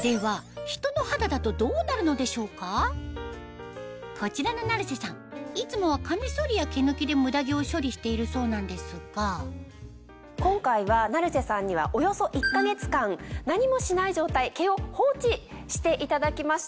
ではこちらの成瀬さんいつもはカミソリや毛抜きでムダ毛を処理しているそうなんですが今回は成瀬さんにはおよそ１か月間何もしない状態毛を放置していただきました。